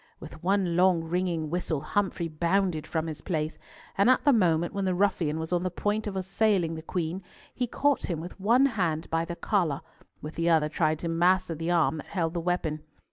With one long ringing whistle, Humfrey bounded from his place, and at the moment when the ruffian was on the point of assailing the Queen, he caught him with one hand by the collar, with the other tried to master the arm that held the weapon.